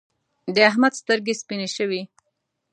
د احمد سترګې سپينې شوې.